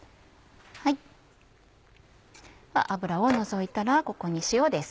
脂を除いたらここに塩です。